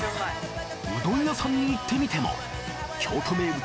うどん屋さんに行ってみても京都名物